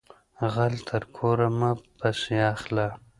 غل تر کوره مه پسی اخله